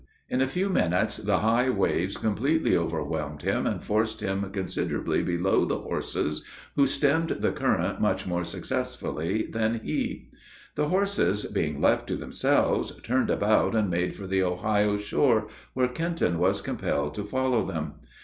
In a few minutes the high waves completely overwhelmed him, and forced him considerably below the horses, who stemmed the current much more successfully than he. The horses, being left to themselves, turned about and made for the Ohio shore, where Kenton was compelled to follow them.